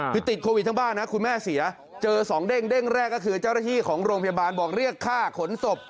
คือติดโควิดทั้งบ้านนะคุณแม่เสียเจอ๒เด้งแรกก็คือเจ้าหน้าที่ของโรงพยาบาลบอกเรียกค่าขนศพ